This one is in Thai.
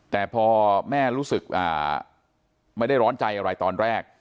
แต่พอแม่รู้สึกไม่ได้ร้อนใจอะไรตอนแรก